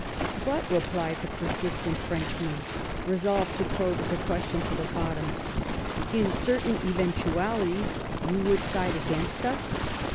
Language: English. " But," replied the persistent French man, resolved to probe the question to the bottom, " in certain eventualities you would side against us